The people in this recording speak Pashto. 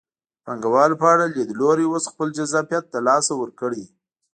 د پانګوالو په اړه لیدلوري اوس خپل جذابیت له لاسه ورکړی.